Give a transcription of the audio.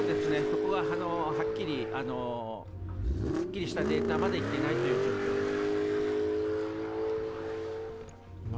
そこははっきりすっきりしたデータまでいっていない状況です。